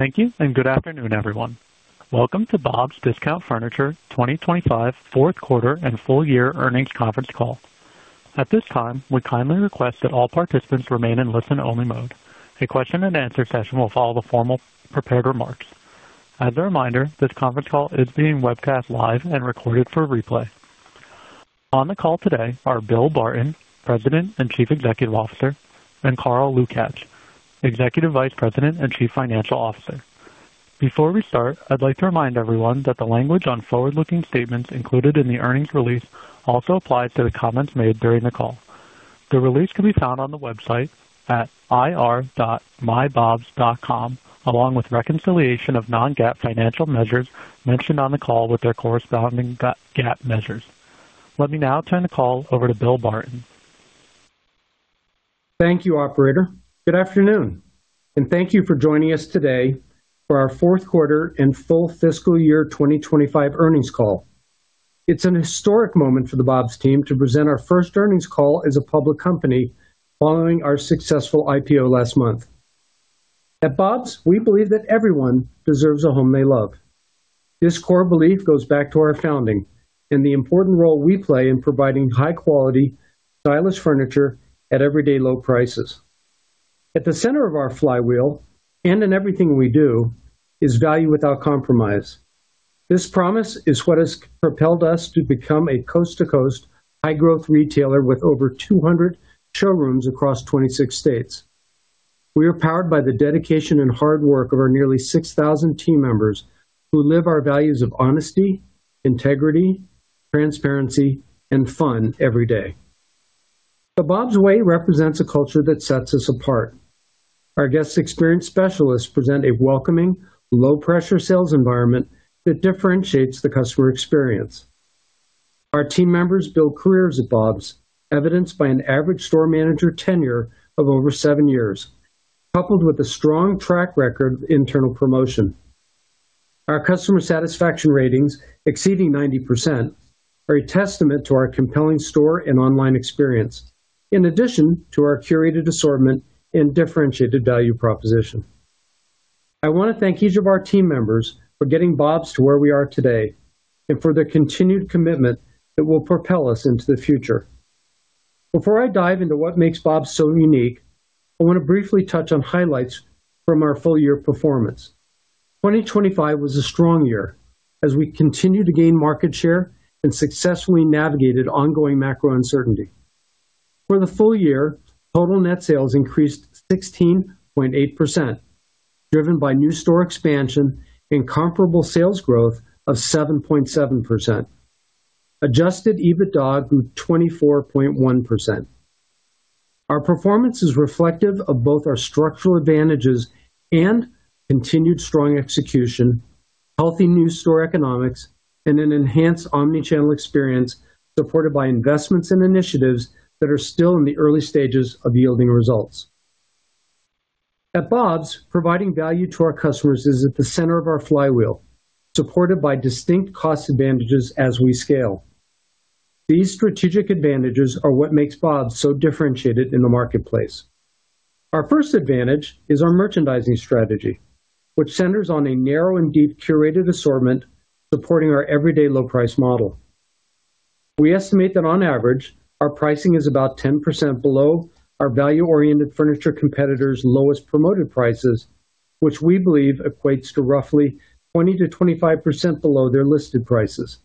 Thank you, and good afternoon, everyone. Welcome to Bob's Discount Furniture 2025 fourth quarter and full-year earnings conference call. At this time, we kindly request that all participants remain in listen-only mode. A question and answer session will follow the formal prepared remarks. As a reminder, this conference call is being webcast live and recorded for replay. On the call today are Bill Barton, President and Chief Executive Officer, and Carl Lukach, Executive Vice President and Chief Financial Officer. Before we start, I'd like to remind everyone that the language on forward-looking statements included in the earnings release also applies to the comments made during the call. The release can be found on the website at ir.mybobs.com, along with reconciliation of non-GAAP financial measures mentioned on the call with their corresponding GAAP measures. Let me now turn the call over to Bill Barton. Thank you, operator. Good afternoon, and thank you for joining us today for our fourth quarter and full fiscal year 2025 earnings call. It's an historic moment for the Bob's team to present our first earnings call as a public company following our successful IPO last month. At Bob's, we believe that everyone deserves a home they love. This core belief goes back to our founding and the important role we play in providing high-quality, stylish furniture at everyday low prices. At the center of our flywheel and in everything we do is value without compromise. This promise is what has propelled us to become a coast-to-coast high-growth retailer with over 200 showrooms across 26 states. We are powered by the dedication and hard work of our nearly 6,000 team members who live our values of honesty, integrity, transparency, and fun every day. The Bob's way represents a culture that sets us apart. Our guest experience specialists present a welcoming, low-pressure sales environment that differentiates the customer experience. Our team members build careers at Bob's, evidenced by an average store manager tenure of over seven years, coupled with a strong track record of internal promotion. Our customer satisfaction ratings exceeding 90% are a testament to our compelling store and online experience. In addition to our curated assortment and differentiated value proposition. I want to thank each of our team members for getting Bob's to where we are today and for their continued commitment that will propel us into the future. Before I dive into what makes Bob's so unique, I want to briefly touch on highlights from our full-year performance. 2025 was a strong year as we continued to gain market share and successfully navigated ongoing macro uncertainty. For the full-year, total net sales increased 16.8%, driven by new store expansion and comparable sales growth of 7.7%. Adjusted EBITDA grew 24.1%. Our performance is reflective of both our structural advantages and continued strong execution, healthy new store economics, and an enhanced omnichannel experience supported by investments and initiatives that are still in the early stages of yielding results. At Bob's, providing value to our customers is at the center of our flywheel, supported by distinct cost advantages as we scale. These strategic advantages are what makes Bob's so differentiated in the marketplace. Our first advantage is our merchandising strategy, which centers on a narrow and deep curated assortment supporting our everyday low price model. We estimate that on average, our pricing is about 10% below our value-oriented furniture competitors' lowest promoted prices, which we believe equates to roughly 20%-25% below their listed prices.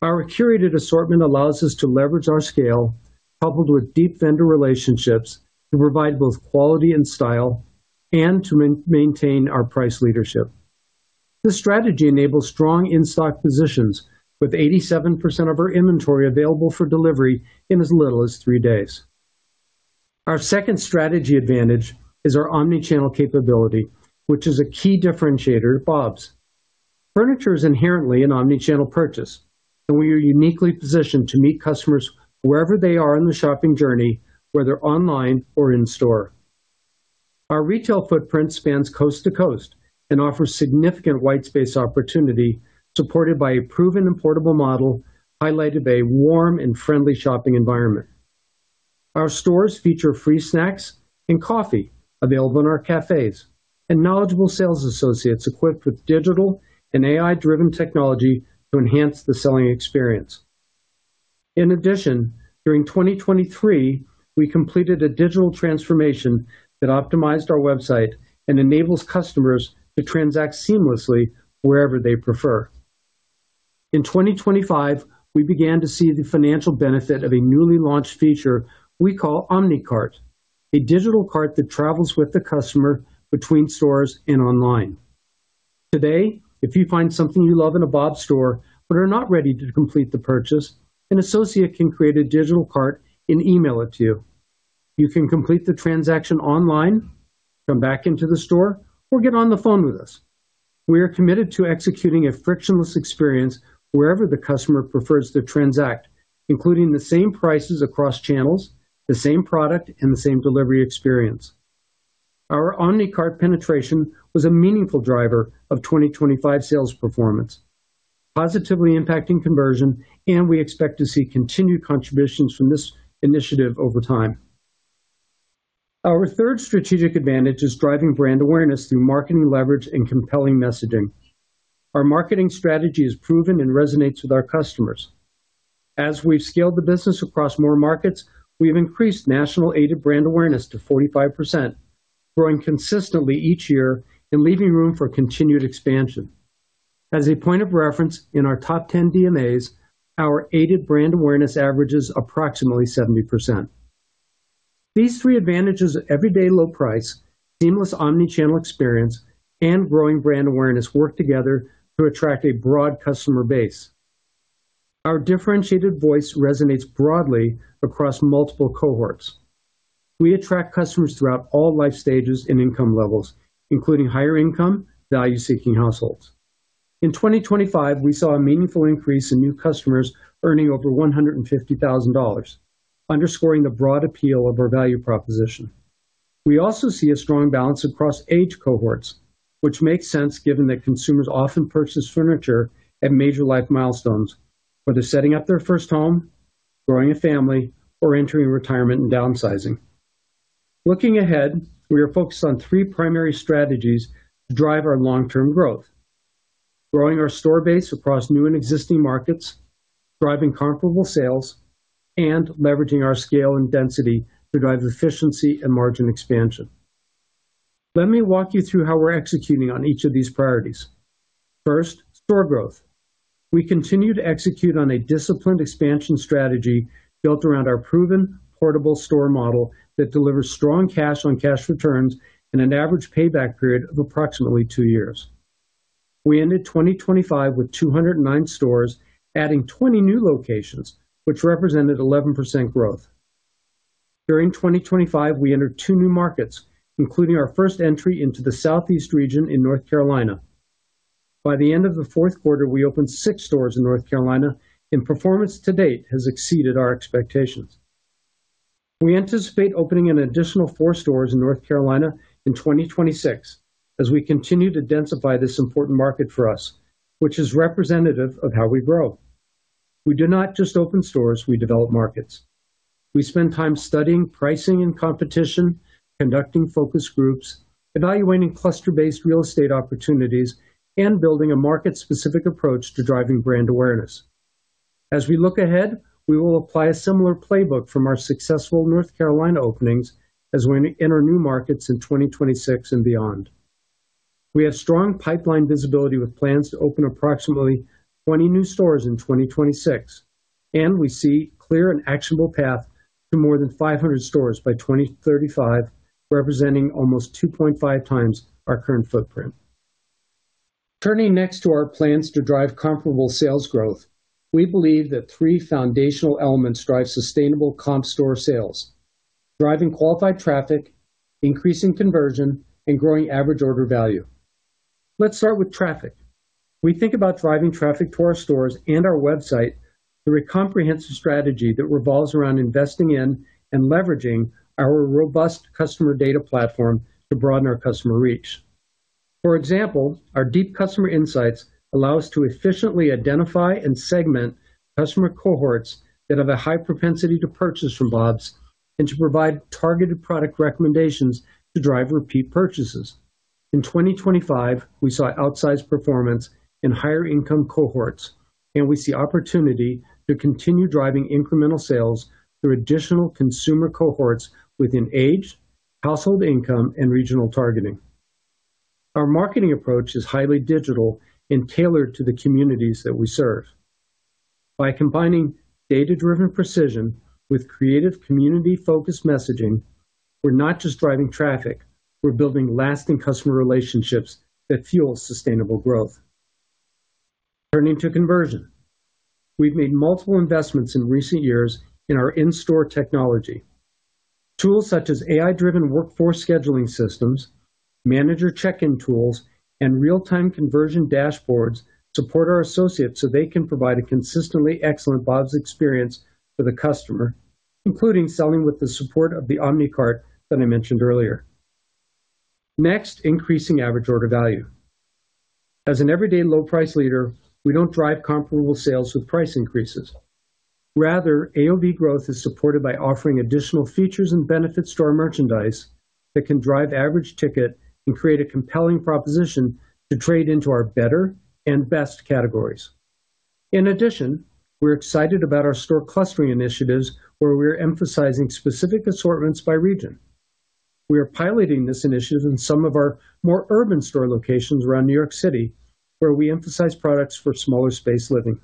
Our curated assortment allows us to leverage our scale coupled with deep vendor relationships to provide both quality and style and to maintain our price leadership. This strategy enables strong in-stock positions with 87% of our inventory available for delivery in as little as three days. Our second strategy advantage is our omnichannel capability, which is a key differentiator at Bob's. Furniture is inherently an omnichannel purchase, and we are uniquely positioned to meet customers wherever they are in the shopping journey, whether online or in store. Our retail footprint spans coast to coast and offers significant white space opportunity, supported by a proven and portable model highlighted by a warm and friendly shopping environment. Our stores feature free snacks and coffee available in our cafes and knowledgeable sales associates equipped with digital and AI-driven technology to enhance the selling experience. In addition, during 2023, we completed a digital transformation that optimized our website and enables customers to transact seamlessly wherever they prefer. In 2025, we began to see the financial benefit of a newly launched feature we call Omni Cart, a digital cart that travels with the customer between stores and online. Today, if you find something you love in a Bob store but are not ready to complete the purchase, an associate can create a digital cart and email it to you. You can complete the transaction online, come back into the store, or get on the phone with us. We are committed to executing a frictionless experience wherever the customer prefers to transact, including the same prices across channels, the same product, and the same delivery experience. Our Omni Cart penetration was a meaningful driver of 2025 sales performance. Positively impacting conversion, and we expect to see continued contributions from this initiative over time. Our third strategic advantage is driving brand awareness through marketing leverage and compelling messaging. Our marketing strategy is proven and resonates with our customers. As we've scaled the business across more markets, we've increased national aided brand awareness to 45%, growing consistently each year and leaving room for continued expansion. As a point of reference, in our top 10 DMAs, our aided brand awareness averages approximately 70%. These three advantages, everyday low price, seamless omnichannel experience, and growing brand awareness, work together to attract a broad customer base. Our differentiated voice resonates broadly across multiple cohorts. We attract customers throughout all life stages and income levels, including higher income, value-seeking households. In 2025, we saw a meaningful increase in new customers earning over $150,000, underscoring the broad appeal of our value proposition. We also see a strong balance across age cohorts, which makes sense given that consumers often purchase furniture at major life milestones, whether setting up their first home, growing a family, or entering retirement and downsizing. Looking ahead, we are focused on three primary strategies to drive our long-term growth, growing our store base across new and existing markets, driving comparable sales, and leveraging our scale and density to drive efficiency and margin expansion. Let me walk you through how we're executing on each of these priorities. First, store growth. We continue to execute on a disciplined expansion strategy built around our proven portable store model that delivers strong cash-on-cash returns and an average payback period of approximately two years. We ended 2025 with 209 stores, adding 20 new locations, which represented 11% growth. During 2025, we entered two new markets, including our first entry into the Southeast region in North Carolina. By the end of the fourth quarter, we opened six stores in North Carolina, and performance to date has exceeded our expectations. We anticipate opening an additional four stores in North Carolina in 2026 as we continue to densify this important market for us, which is representative of how we grow. We do not just open stores, we develop markets. We spend time studying pricing and competition, conducting focus groups, evaluating cluster-based real estate opportunities, and building a market-specific approach to driving brand awareness. As we look ahead, we will apply a similar playbook from our successful North Carolina openings as we enter new markets in 2026 and beyond. We have strong pipeline visibility with plans to open approximately 20 new stores in 2026, and we see clear and actionable path to more than 500 stores by 2035, representing almost 2.5 times our current footprint. Turning next to our plans to drive comparable sales growth. We believe that three foundational elements drive sustainable comp store sales, driving qualified traffic, increasing conversion, and growing average order value. Let's start with traffic. We think about driving traffic to our stores and our website through a comprehensive strategy that revolves around investing in and leveraging our robust customer data platform to broaden our customer reach. For example, our deep customer insights allow us to efficiently identify and segment customer cohorts that have a high propensity to purchase from Bob's and to provide targeted product recommendations to drive repeat purchases. In 2025, we saw outsized performance in higher income cohorts, and we see opportunity to continue driving incremental sales through additional consumer cohorts within age, household income, and regional targeting. Our marketing approach is highly digital and tailored to the communities that we serve. By combining data-driven precision with creative community-focused messaging, we're not just driving traffic, we're building lasting customer relationships that fuel sustainable growth. Turning to conversion. We've made multiple investments in recent years in our in-store technology. Tools such as AI-driven workforce scheduling systems, manager check-in tools, and real-time conversion dashboards support our associates so they can provide a consistently excellent Bob's experience for the customer, including selling with the support of the Omni Cart that I mentioned earlier. Next, increasing average order value. As an everyday low price leader, we don't drive comparable sales with price increases. Rather, AOV growth is supported by offering additional features and benefits to our merchandise that can drive average ticket and create a compelling proposition to trade into our better and best categories. In addition, we're excited about our store clustering initiatives, where we're emphasizing specific assortments by region. We are piloting this initiative in some of our more urban store locations around New York City, where we emphasize products for smaller space living.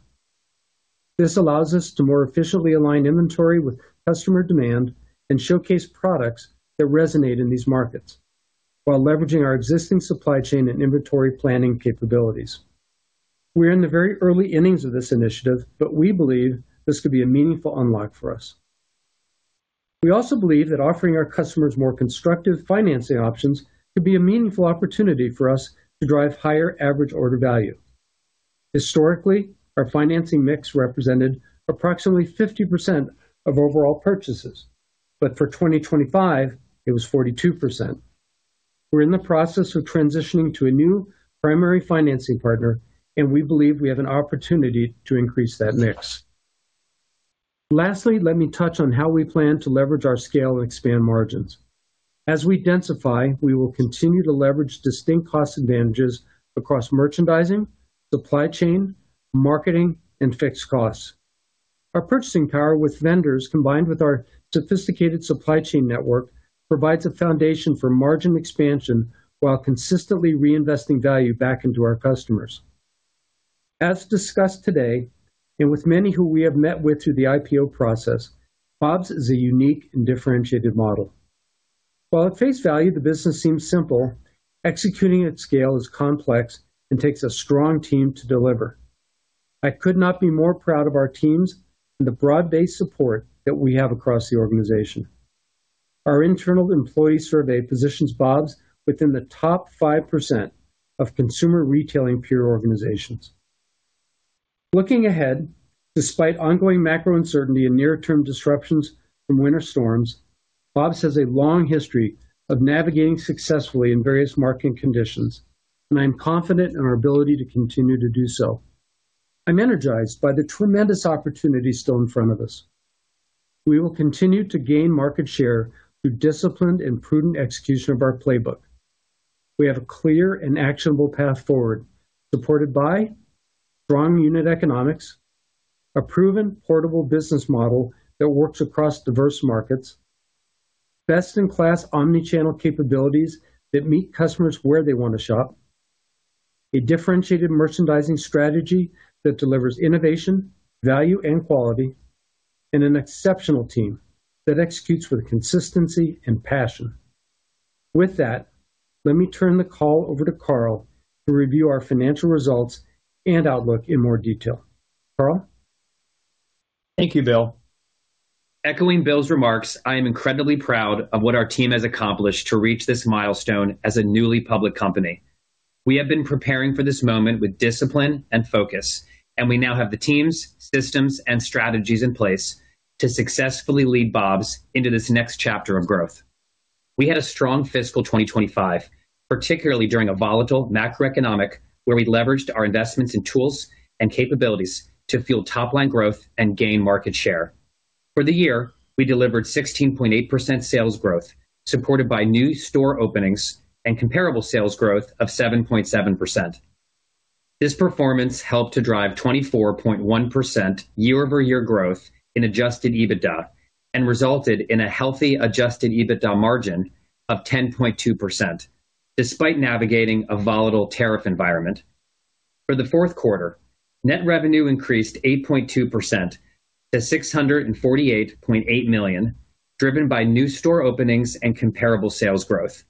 This allows us to more efficiently align inventory with customer demand and showcase products that resonate in these markets while leveraging our existing supply chain and inventory planning capabilities. We're in the very early innings of this initiative, but we believe this could be a meaningful unlock for us. We also believe that offering our customers more constructive financing options could be a meaningful opportunity for us to drive higher average order value. Historically, our financing mix represented approximately 50% of overall purchases, but for 2025 it was 42%. We're in the process of transitioning to a new primary financing partner, and we believe we have an opportunity to increase that mix. Lastly, let me touch on how we plan to leverage our scale and expand margins. As we densify, we will continue to leverage distinct cost advantages across merchandising, supply chain, marketing, and fixed costs. Our purchasing power with vendors, combined with our sophisticated supply chain network, provides a foundation for margin expansion while consistently reinvesting value back into our customers. As discussed today, and with many who we have met with through the IPO process, Bob's is a unique and differentiated model. While at face value, the business seems simple, executing at scale is complex and takes a strong team to deliver. I could not be more proud of our teams and the broad-based support that we have across the organization. Our internal employee survey positions Bob's within the top 5% of consumer retailing peer organizations. Looking ahead, despite ongoing macro uncertainty and near-term disruptions from winter storms, Bob's has a long history of navigating successfully in various market conditions, and I'm confident in our ability to continue to do so. I'm energized by the tremendous opportunity still in front of us. We will continue to gain market share through disciplined and prudent execution of our playbook. We have a clear and actionable path forward, supported by strong unit economics, a proven portable business model that works across diverse markets, best in class omnichannel capabilities that meet customers where they want to shop, a differentiated merchandising strategy that delivers innovation, value, and quality, and an exceptional team that executes with consistency and passion. With that, let me turn the call over to Carl to review our financial results and outlook in more detail. Carl? Thank you, Bill. Echoing Bill's remarks, I am incredibly proud of what our team has accomplished to reach this milestone as a newly public company. We have been preparing for this moment with discipline and focus, and we now have the teams, systems, and strategies in place to successfully lead Bob's into this next chapter of growth. We had a strong fiscal year 2025, particularly during a volatile macroeconomic, where we leveraged our investments in tools and capabilities to fuel top line growth and gain market share. For the year, we delivered 16.8% sales growth, supported by new store openings and comparable sales growth of 7.7%. This performance helped to drive 24.1% year-over-year growth in adjusted EBITDA and resulted in a healthy adjusted EBITDA margin of 10.2%, despite navigating a volatile tariff environment. For the fourth quarter, net revenue increased 8.2% to $648.8 million, driven by new store openings and comparable sales growth.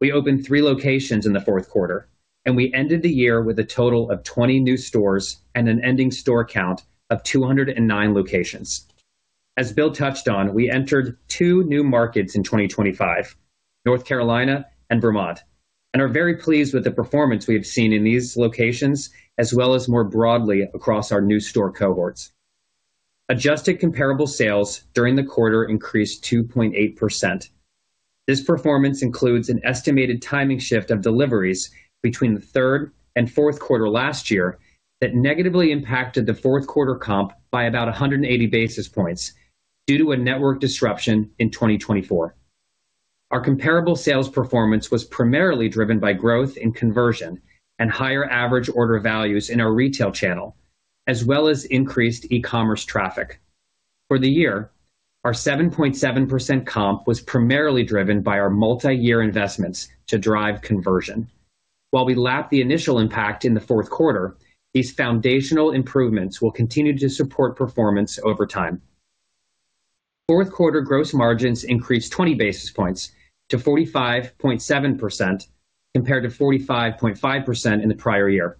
We opened three locations in the fourth quarter, and we ended the year with a total of 20 new stores and an ending store count of 209 locations. As Bill touched on, we entered two new markets in 2025, North Carolina and Vermont, and are very pleased with the performance we have seen in these locations as well as more broadly across our new store cohorts. Adjusted comparable sales during the quarter increased 2.8%. This performance includes an estimated timing shift of deliveries between the third and fourth quarter last year that negatively impacted the fourth quarter comp by about 180 basis points due to a network disruption in 2024. Our comparable sales performance was primarily driven by growth in conversion and higher average order values in our retail channel, as well as increased e-commerce traffic. For the year, our 7.7% comp was primarily driven by our multi-year investments to drive conversion. While we lapped the initial impact in the fourth quarter, these foundational improvements will continue to support performance over time. Fourth quarter gross margins increased 20 basis points to 45.7%, compared to 45.5% in the prior year.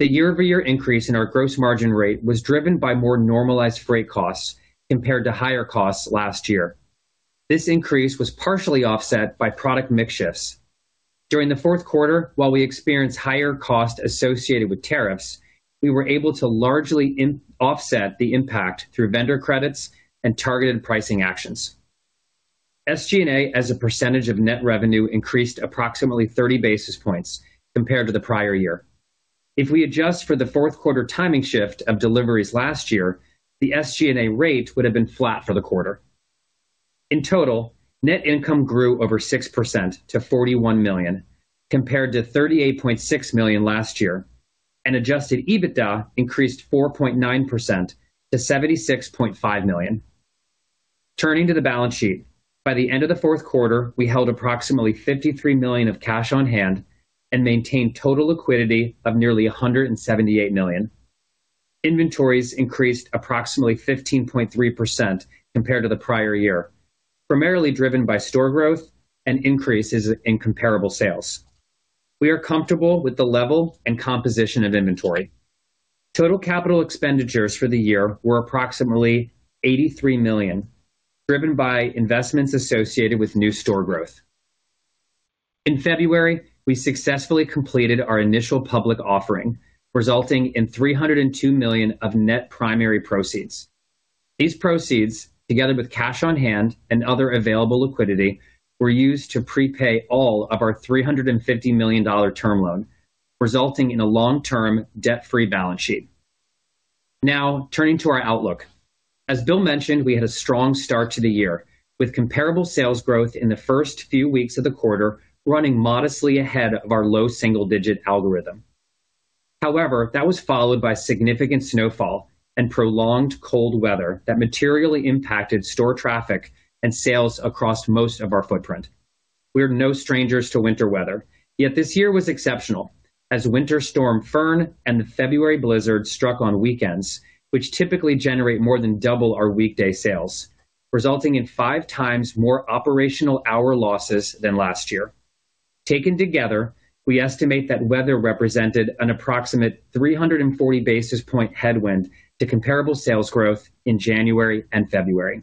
The year-over-year increase in our gross margin rate was driven by more normalized freight costs compared to higher costs last year. This increase was partially offset by product mix shifts. During the fourth quarter, while we experienced higher cost associated with tariffs, we were able to largely offset the impact through vendor credits and targeted pricing actions. SG&A as a percentage of net revenue increased approximately 30 basis points compared to the prior year. If we adjust for the fourth quarter timing shift of deliveries last year, the SG&A rate would have been flat for the quarter. In total, net income grew over 6% to $41 million, compared to $38.6 million last year, and adjusted EBITDA increased 4.9% to $76.5 million. Turning to the balance sheet, by the end of the fourth quarter, we held approximately $53 million of cash on hand and maintained total liquidity of nearly $178 million. Inventories increased approximately 15.3% compared to the prior year, primarily driven by store growth and increases in comparable sales. We are comfortable with the level and composition of inventory. Total capital expenditures for the year were approximately $83 million, driven by investments associated with new store growth. In February, we successfully completed our initial public offering, resulting in $302 million of net primary proceeds. These proceeds, together with cash on hand and other available liquidity, were used to prepay all of our $350 million term loan, resulting in a long-term debt-free balance sheet. Now turning to our outlook. As Bill mentioned, we had a strong start to the year, with comparable sales growth in the first few weeks of the quarter running modestly ahead of our low single-digit algorithm. However, that was followed by significant snowfall and prolonged cold weather that materially impacted store traffic and sales across most of our footprint. We are no strangers to winter weather, yet this year was exceptional as Winter Storm Fern and the February blizzard struck on weekends, which typically generate more than double our weekday sales, resulting in five times more operational hour losses than last year. Taken together, we estimate that weather represented an approximate 340 basis points headwind to comparable sales growth in January and February.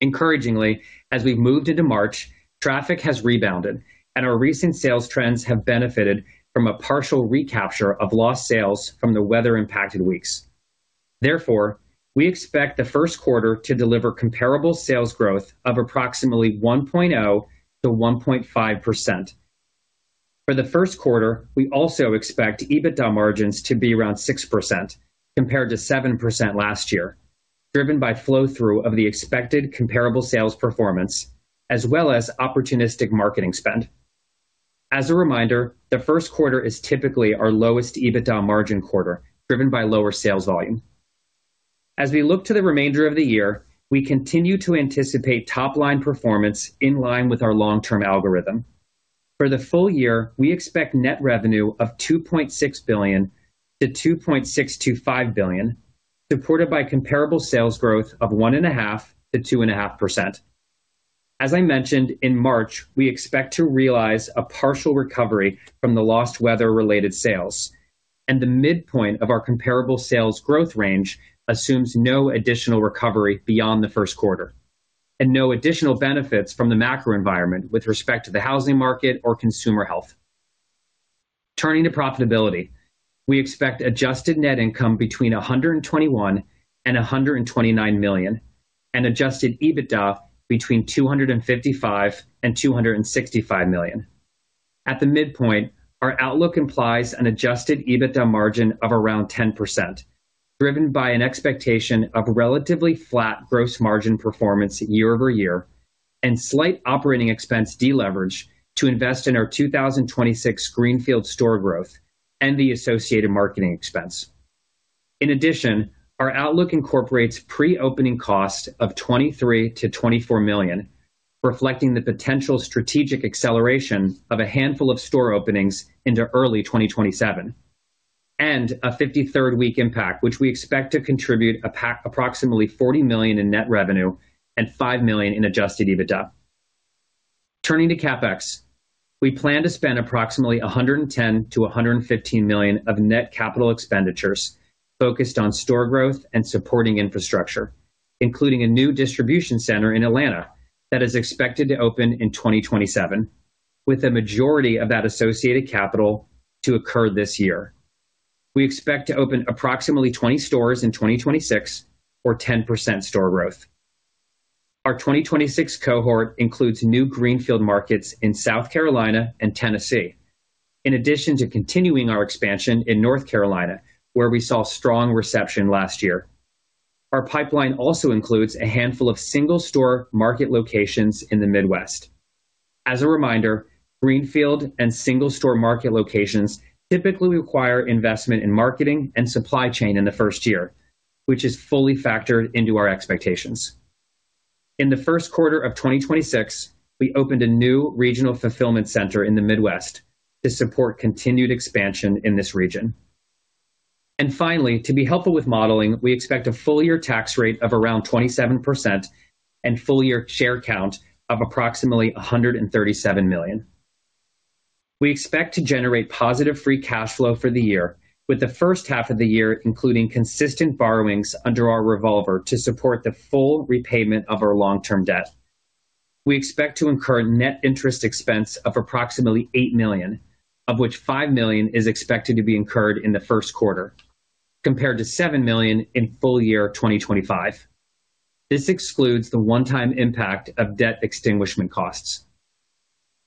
Encouragingly, as we've moved into March, traffic has rebounded and our recent sales trends have benefited from a partial recapture of lost sales from the weather impacted weeks. Therefore, we expect the first quarter to deliver comparable sales growth of approximately 1.0%-1.5%. For the first quarter, we also expect EBITDA margins to be around 6% compared to 7% last year, driven by flow through of the expected comparable sales performance as well as opportunistic marketing spend. As a reminder, the first quarter is typically our lowest EBITDA margin quarter, driven by lower sales volume. As we look to the remainder of the year, we continue to anticipate top line performance in line with our long term algorithm. For the full-year, we expect net revenue of $2.6 billion-$2.625 billion, supported by comparable sales growth of 1.5%-2.5%. As I mentioned in March, we expect to realize a partial recovery from the lost weather-related sales, and the midpoint of our comparable sales growth range assumes no additional recovery beyond the first quarter and no additional benefits from the macro environment with respect to the housing market or consumer health. Turning to profitability, we expect adjusted net income between $121 million and $129 million and adjusted EBITDA between $255 million and $265 million. At the midpoint, our outlook implies an adjusted EBITDA margin of around 10%, driven by an expectation of relatively flat gross margin performance year-over-year and slight operating expense deleverage to invest in our 2026 greenfield store growth and the associated marketing expense. In addition, our outlook incorporates pre-opening costs of $23 million-$24 million, reflecting the potential strategic acceleration of a handful of store openings into early 2027, and a 53rd week impact, which we expect to contribute approximately $40 million in net revenue and $5 million in adjusted EBITDA. Turning to CapEx, we plan to spend approximately $110 million-$115 million of net capital expenditures focused on store growth and supporting infrastructure, including a new distribution center in Atlanta that is expected to open in 2027, with the majority of that associated capital to occur this year. We expect to open approximately 20 stores in 2026 or 10% store growth. Our 2026 cohort includes new greenfield markets in South Carolina and Tennessee. In addition to continuing our expansion in North Carolina, where we saw strong reception last year. Our pipeline also includes a handful of single store market locations in the Midwest. As a reminder, greenfield and single store market locations typically require investment in marketing and supply chain in the first year, which is fully factored into our expectations. In the first quarter of 2026, we opened a new regional fulfillment center in the Midwest to support continued expansion in this region. Finally, to be helpful with modeling, we expect a full-year tax rate of around 27% and full-year share count of approximately 137 million. We expect to generate positive free cash flow for the year with the first half of the year, including consistent borrowings under our revolver to support the full repayment of our long term debt. We expect to incur net interest expense of approximately $8 million, of which $5 million is expected to be incurred in the first quarter, compared to $7 million in full-year 2025. This excludes the one-time impact of debt extinguishment costs.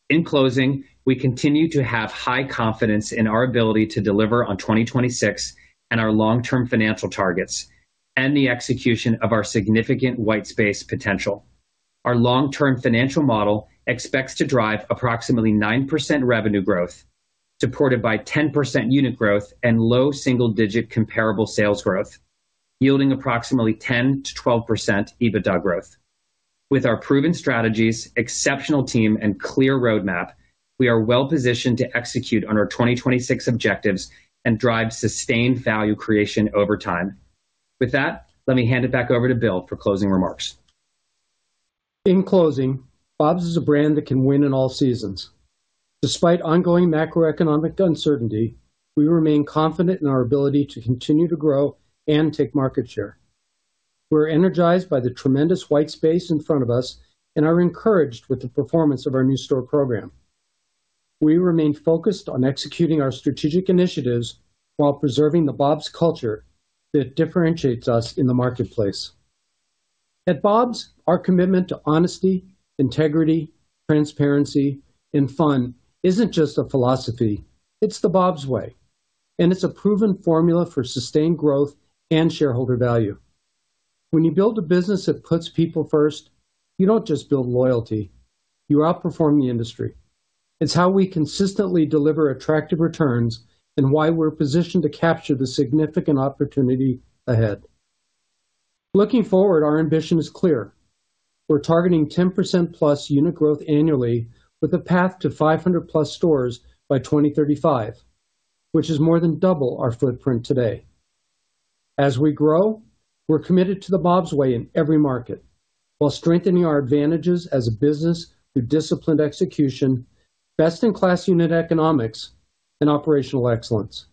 In closing, we continue to have high confidence in our ability to deliver on 2026 and our long-term financial targets and the execution of our significant white space potential. Our long-term financial model expects to drive approximately 9% revenue growth, supported by 10% unit growth and low single-digit comparable sales growth, yielding approximately 10%-12% EBITDA growth. With our proven strategies, exceptional team and clear roadmap, we are well positioned to execute on our 2026 objectives and drive sustained value creation over time. With that, let me hand it back over to Bill for closing remarks. In closing, Bob's is a brand that can win in all seasons. Despite ongoing macroeconomic uncertainty, we remain confident in our ability to continue to grow and take market share. We're energized by the tremendous white space in front of us and are encouraged with the performance of our new store program. We remain focused on executing our strategic initiatives while preserving the Bob's culture that differentiates us in the marketplace. At Bob's, our commitment to honesty, integrity, transparency, and fun isn't just a philosophy, it's the Bob's way, and it's a proven formula for sustained growth and shareholder value. When you build a business that puts people first, you don't just build loyalty, you outperform the industry. It's how we consistently deliver attractive returns and why we're positioned to capture the significant opportunity ahead. Looking forward, our ambition is clear. We're targeting 10%+ unit growth annually with a path to 500+ stores by 2035, which is more than double our footprint today. As we grow, we're committed to the Bob's way in every market while strengthening our advantages as a business through disciplined execution, best-in-class unit economics, and operational excellence.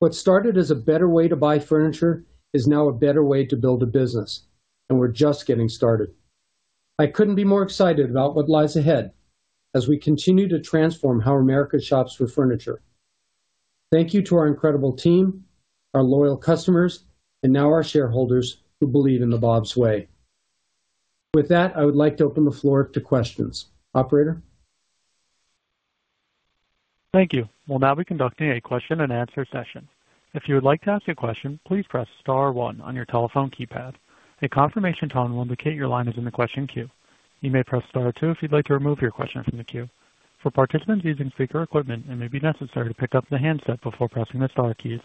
What started as a better way to buy furniture is now a better way to build a business, and we're just getting started. I couldn't be more excited about what lies ahead as we continue to transform how America shops for furniture. Thank you to our incredible team, our loyal customers, and now our shareholders who believe in the Bob's way. With that, I would like to open the floor to questions. Operator? Thank you. We'll now be conducting a question-and-answer session. If you would like to ask a question, please press star one on your telephone keypad. A confirmation tone will indicate your line is in the question queue. You may press star two if you'd like to remove your question from the queue. For participants using speaker equipment, it may be necessary to pick up the handset before pressing the star keys.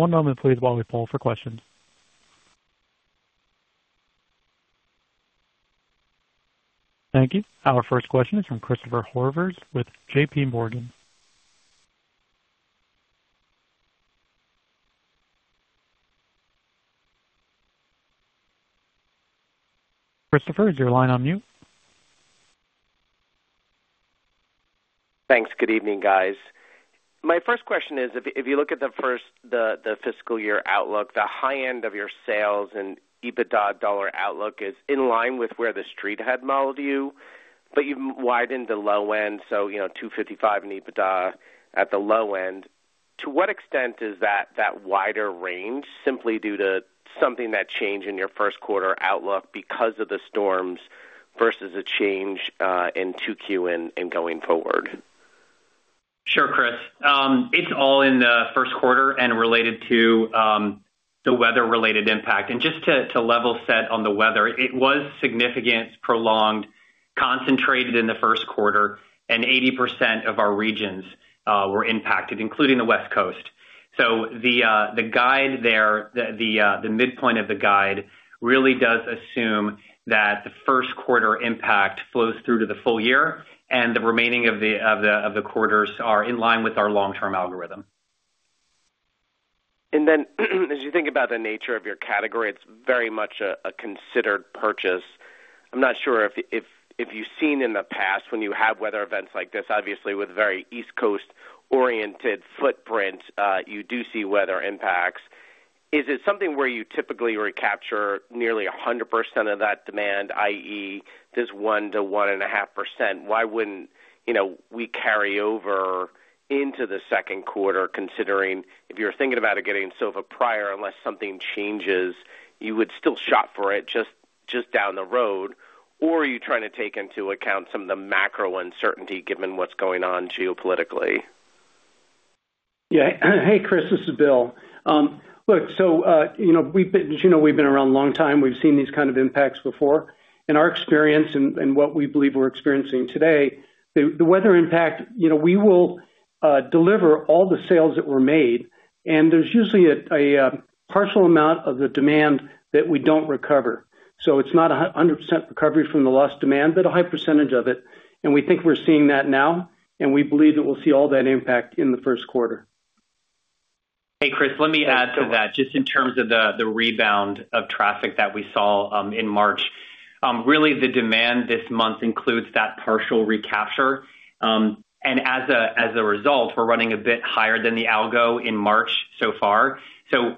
One moment please while we poll for questions. Thank you. Our first question is from Christopher Horvers with JPMorgan. Christopher, is your line on mute? Thanks. Good evening, guys. My first question is, if you look at the fiscal year outlook, the high end of your sales and EBITDA dollar outlook is in line with where the Street had modeled you, but you've widened the low end, so you know, $255 million in EBITDA at the low end. To what extent is that wider range simply due to something that changed in your first quarter outlook because of the storms versus a change in 2Q and going forward? Sure, Chris. It's all in the first quarter and related to the weather-related impact. Just to level set on the weather, it was significant, prolonged, concentrated in the first quarter, and 80% of our regions were impacted, including the West Coast. The guide there, the midpoint of the guide really does assume that the first quarter impact flows through to the full-year and the remaining quarters are in line with our long-term algorithm. Then as you think about the nature of your category, it's very much a considered purchase. I'm not sure if you've seen in the past when you have weather events like this, obviously with a very East Coast-oriented footprint, you do see weather impacts. Is it something where you typically recapture nearly 100% of that demand, i.e., this 1%-1.5%? Why wouldn't, you know, we carry over into the second quarter considering if you're thinking about getting a sofa prior, unless something changes, you would still shop for it just down the road. Or are you trying to take into account some of the macro uncertainty given what's going on geopolitically? Yeah. Hey, Chris, this is Bill. Look, you know, we've been, as you know, we've been around a long time. We've seen these kind of impacts before. In our experience and what we believe we're experiencing today, the weather impact, you know, we will deliver all the sales that were made, and there's usually a partial amount of the demand that we don't recover. It's not a 100% recovery from the lost demand, but a high percentage of it. We think we're seeing that now, and we believe that we'll see all that impact in the first quarter. Hey, Chris, let me add to that, just in terms of the rebound of traffic that we saw in March. Really the demand this month includes that partial recapture. As a result, we're running a bit higher than the algo in March so far.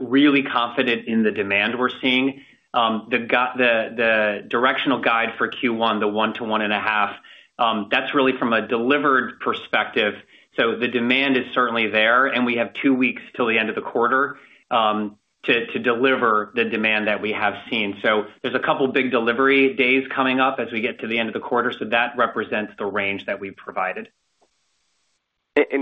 Really confident in the demand we're seeing. The directional guide for Q1, the 1%-1.5%, that's really from a delivered perspective. The demand is certainly there, and we have two weeks till the end of the quarter to deliver the demand that we have seen. There's a couple big delivery days coming up as we get to the end of the quarter, so that represents the range that we've provided.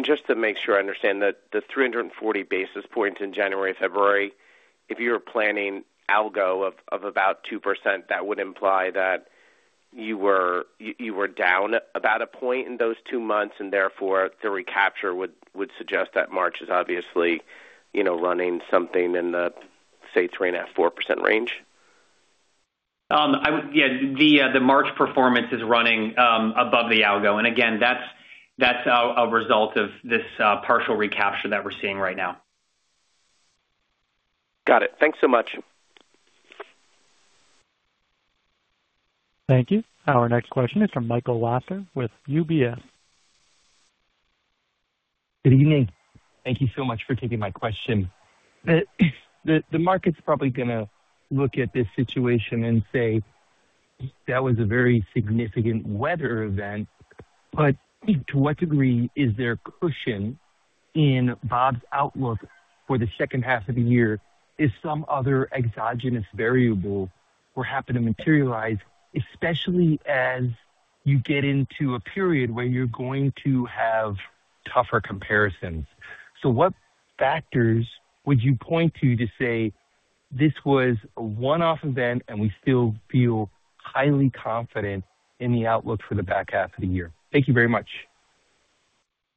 Just to make sure I understand that the 340 basis points in January and February, if you were planning growth of about 2%, that would imply that you were down about 1 point in those two months and therefore the recapture would suggest that March is obviously, you know, running something in the, say, 3.5%-4% range. The March performance is running above the algo. Again, that's a result of this partial recapture that we're seeing right now. Got it. Thanks so much. Thank you. Our next question is from Michael Lasser with UBS. Good evening. Thank you so much for taking my question. The market's probably gonna look at this situation and say that was a very significant weather event, but to what degree is there cushion in Bob's outlook for the second half of the year if some other exogenous variable were to happen to materialize, especially as you get into a period where you're going to have tougher comparisons. What factors would you point to say this was a one-off event, and we still feel highly confident in the outlook for the back half of the year? Thank you very much.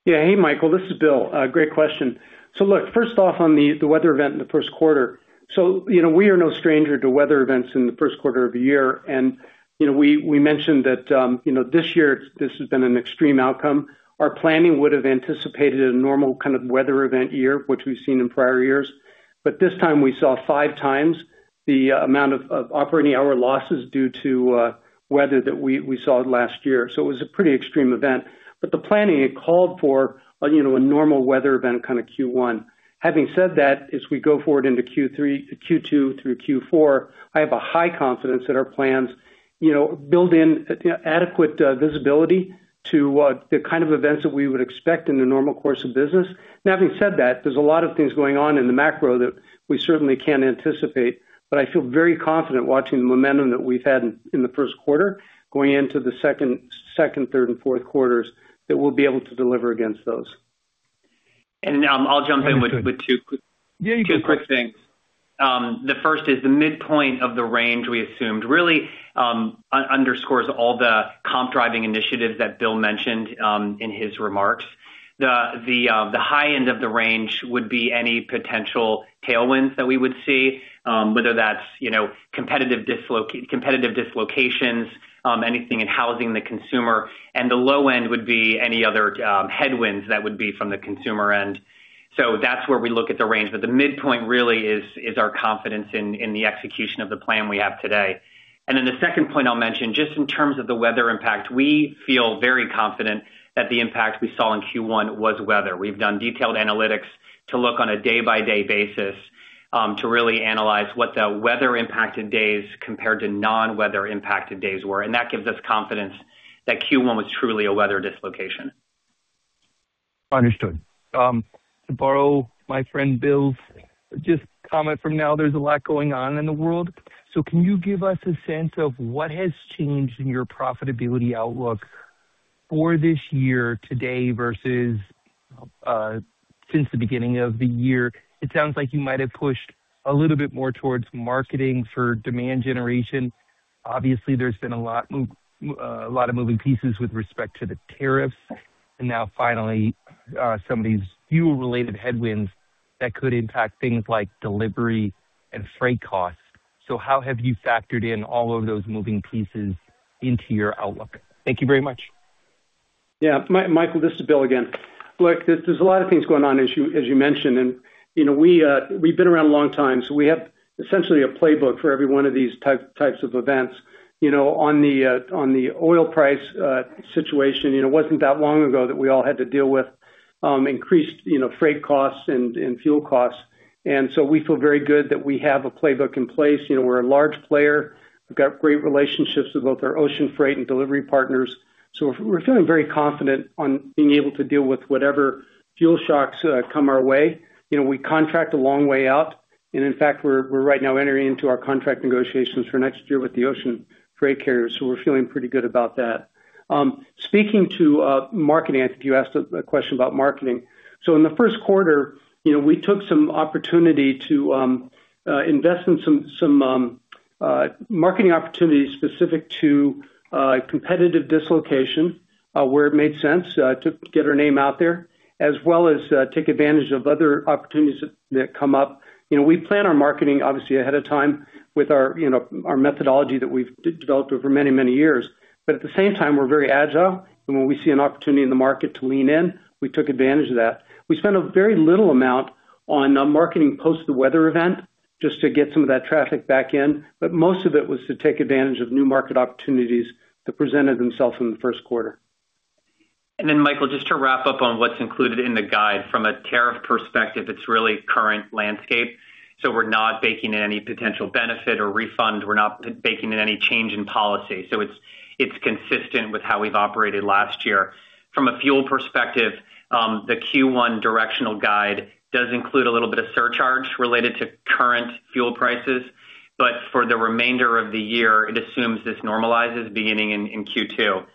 Yeah. Hey, Michael, this is Bill. Great question. Look, first off on the weather event in the first quarter. You know, we are no stranger to weather events in the first quarter of the year. You know, we mentioned that, you know, this year this has been an extreme outcome. Our planning would have anticipated a normal kind of weather event year, which we've seen in prior years. This time we saw five times the amount of operating hour losses due to weather that we saw last year. It was a pretty extreme event. The planning had called for, you know, a normal weather event, kind of Q1. Having said that, as we go forward into Q2 through Q4, I have a high confidence that our plans, you know, build in adequate visibility to the kind of events that we would expect in the normal course of business. Now, having said that, there's a lot of things going on in the macro that we certainly can't anticipate, but I feel very confident watching the momentum that we've had in the first quarter going into the second, third and fourth quarters that we'll be able to deliver against those. I'll jump in with two quick- Yeah, you go. Two quick things. The first is the midpoint of the range we assumed really underscores all the comp driving initiatives that Bill mentioned in his remarks. The high end of the range would be any potential tailwinds that we would see, whether that's, you know, competitive dislocations, anything in housing the consumer. The low end would be any other headwinds that would be from the consumer end. That's where we look at the range. The midpoint really is our confidence in the execution of the plan we have today. Then the second point I'll mention, just in terms of the weather impact, we feel very confident that the impact we saw in Q1 was weather. We've done detailed analytics to look on a day-by-day basis, to really analyze what the weather impacted days compared to non-weather impacted days were. That gives us confidence that Q1 was truly a weather dislocation. Understood. To borrow my friend Bill's just comment from now, there's a lot going on in the world. Can you give us a sense of what has changed in your profitability outlook for this year today versus since the beginning of the year? It sounds like you might have pushed a little bit more towards marketing for demand generation. Obviously, there's been a lot of moving pieces with respect to the tariffs. Now finally, some of these fuel related headwinds that could impact things like delivery and freight costs. How have you factored in all of those moving pieces into your outlook? Thank you very much. Yeah. Michael, this is Bill again. Look, there's a lot of things going on, as you mentioned, and, you know, we've been around a long time, so we have essentially a playbook for every one of these types of events. You know, on the oil price situation, you know, it wasn't that long ago that we all had to deal with increased, you know, freight costs and fuel costs. We feel very good that we have a playbook in place. You know, we're a large player. We've got great relationships with both our ocean freight and delivery partners. So we're feeling very confident on being able to deal with whatever fuel shocks come our way. You know, we contract a long way out. In fact, we're right now entering into our contract negotiations for next year with the ocean freight carriers, so we're feeling pretty good about that. Speaking to marketing, I think you asked a question about marketing. In the first quarter, you know, we took some opportunity to invest in some marketing opportunities specific to competitive dislocation where it made sense to get our name out there, as well as take advantage of other opportunities that come up. You know, we plan our marketing obviously ahead of time with our, you know, our methodology that we've developed over many years. At the same time, we're very agile. When we see an opportunity in the market to lean in, we took advantage of that. We spent a very little amount on marketing post the weather event just to get some of that traffic back in, but most of it was to take advantage of new market opportunities that presented themselves in the first quarter. Michael, just to wrap up on what's included in the guide. From a tariff perspective, it's really current landscape, so we're not baking in any potential benefit or refund. We're not baking in any change in policy. It's consistent with how we've operated last year. From a fuel perspective, the Q1 directional guide does include a little bit of surcharge related to current fuel prices, but for the remainder of the year, it assumes this normalizes beginning in Q2.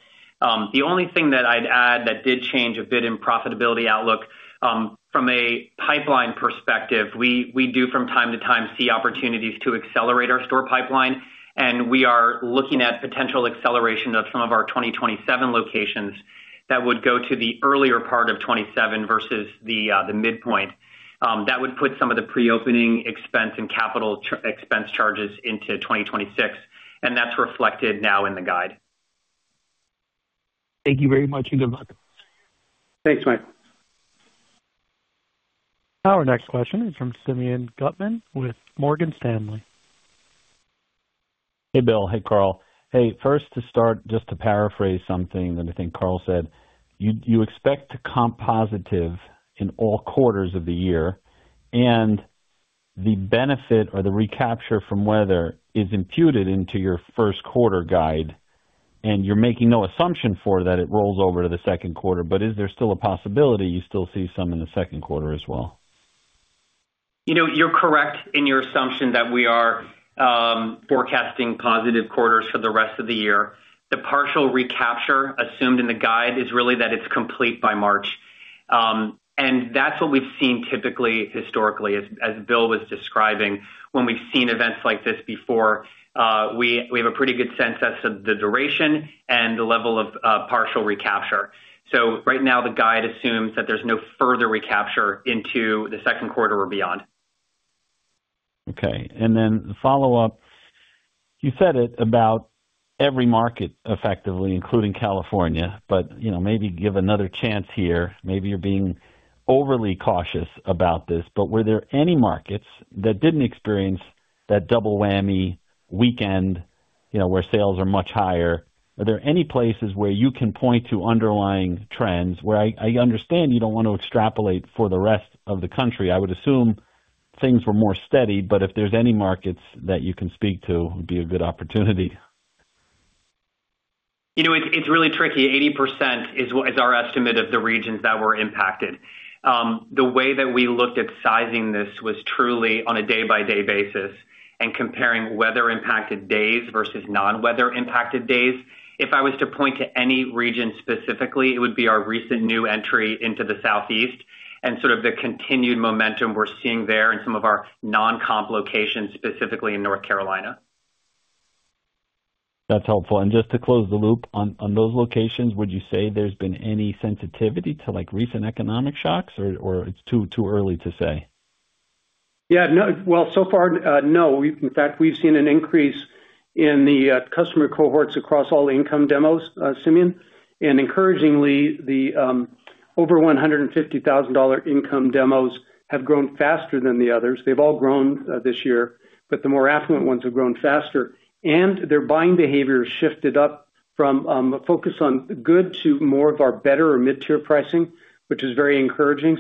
The only thing that I'd add that did change a bit in profitability outlook, from a pipeline perspective, we do from time to time see opportunities to accelerate our store pipeline, and we are looking at potential acceleration of some of our 2027 locations that would go to the earlier part of 2027 versus the midpoint. That would put some of the pre-opening expense and capital expense charges into 2026, and that's reflected now in the guide. Thank you very much, and good luck. Thanks, Michael. Our next question is from Simeon Gutman with Morgan Stanley. Hey, Bill. Hey, Carl. Hey, first to start, just to paraphrase something that I think Carl said. You expect to comp positive in all quarters of the year, and the benefit or the recapture from weather is imputed into your first quarter guide, and you're making no assumption for that it rolls over to the second quarter. Is there still a possibility you still see some in the second quarter as well? You know, you're correct in your assumption that we are forecasting positive quarters for the rest of the year. The partial recapture assumed in the guide is really that it's complete by March. That's what we've seen typically historically as Bill was describing. When we've seen events like this before, we have a pretty good sense as to the duration and the level of partial recapture. Right now, the guide assumes that there's no further recapture into the second quarter or beyond. Okay. Then the follow-up, you said it about every market effectively, including California, but, you know, maybe give another chance here. Maybe you're being overly cautious about this, but were there any markets that didn't experience that double whammy weekend, you know, where sales are much higher? Are there any places where you can point to underlying trends. I understand you don't want to extrapolate for the rest of the country. I would assume things were more steady, but if there's any markets that you can speak to, it would be a good opportunity. You know, it's really tricky. 80% is our estimate of the regions that were impacted. The way that we looked at sizing this was truly on a day-by-day basis and comparing weather impacted days versus non-weather impacted days. If I was to point to any region specifically, it would be our recent new entry into the Southeast and sort of the continued momentum we're seeing there in some of our non-comp locations, specifically in North Carolina. That's helpful. Just to close the loop on those locations, would you say there's been any sensitivity to, like, recent economic shocks or it's too early to say? Yeah. No. Well, so far, no. In fact, we've seen an increase in the customer cohorts across all income demos, Simeon. Encouragingly, the over $150,000 income demos have grown faster than the others. They've all grown this year, but the more affluent ones have grown faster. Their buying behavior shifted up from a focus on good to more of our better or mid-tier pricing, which is very encouraging.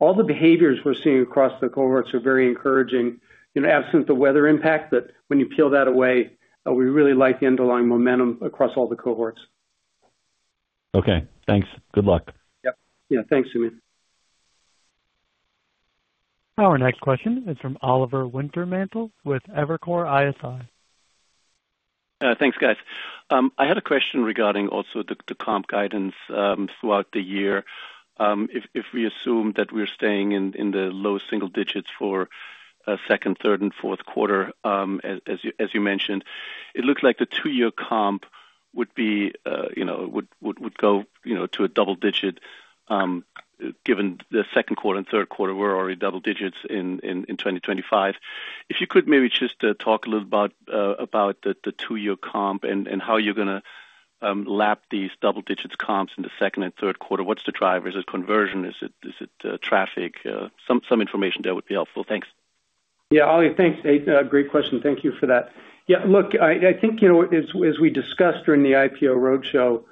All the behaviors we're seeing across the cohorts are very encouraging. Absent the weather impact that, when you peel that away, we really like the underlying momentum across all the cohorts. Okay, thanks. Good luck. Yep. Yeah, thanks, Simeon. Our next question is from Oliver Wintermantel with Evercore ISI. Thanks, guys. I had a question regarding the comp guidance throughout the year. If we assume that we're staying in the low single digits for second, third and fourth quarter, as you mentioned. It looks like the two-year comp would be, you know, would go, you know, to a double digit, given the second quarter and third quarter were already double digits in 2025. If you could maybe just talk a little about the two-year comp and how you're gonna lap these double digits comps in the second and third quarter. What's the driver? Is it conversion? Is it traffic? Some information there would be helpful. Thanks. Yeah. Oliver, thanks. Ah, great question. Thank you for that. Yeah, look, I think, you know, as we discussed during the IPO roadshow,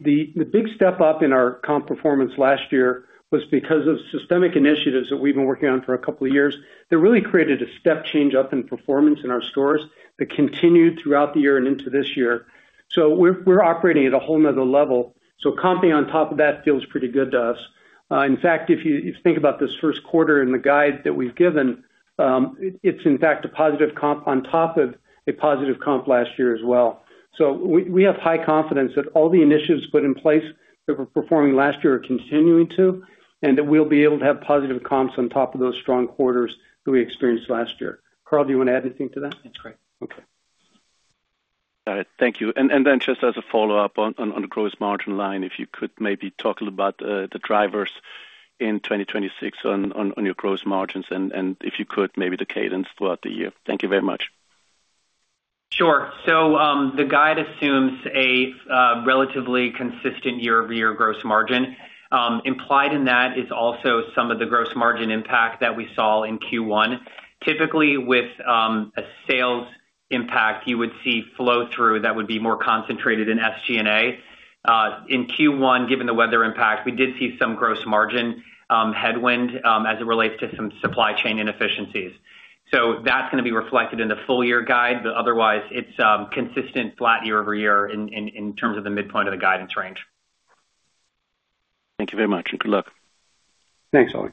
the big step up in our comp performance last year was because of systemic initiatives that we've been working on for a couple of years that really created a step change up in performance in our stores that continued throughout the year and into this year. We're operating at a whole nother level. Comping on top of that feels pretty good to us. In fact, if you think about this first quarter and the guide that we've given, it's in fact a positive comp on top of a positive comp last year as well. We have high confidence that all the initiatives put in place that were performing last year are continuing to, and that we'll be able to have positive comps on top of those strong quarters that we experienced last year. Carl, do you want to add anything to that? That's great. Okay. All right. Thank you. Just as a follow-up on the gross margin line, if you could maybe talk a little about the drivers in 2026 on your gross margins and if you could maybe the cadence throughout the year. Thank you very much. Sure. The guide assumes a relatively consistent year-over-year gross margin. Implied in that is also some of the gross margin impact that we saw in Q1. Typically, with a sales impact, you would see flow through that would be more concentrated in SG&A. In Q1, given the weather impact, we did see some gross margin headwind as it relates to some supply chain inefficiencies. That's gonna be reflected in the full-year guide, but otherwise it's consistent flat year-over-year in terms of the midpoint of the guidance range. Thank you very much, and good luck. Thanks, Oliver.